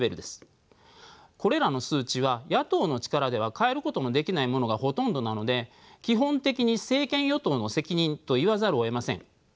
これらの数値は野党の力では変えることのできないものがほとんどなので基本的に政権与党の責任と言わざるをえません。